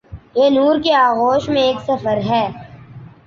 یہ نور کے آغوش میں ایک سفر ہے۔